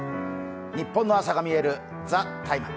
ニッポンの朝がみえる「ＴＨＥＴＩＭＥ，」